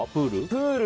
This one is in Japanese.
プール？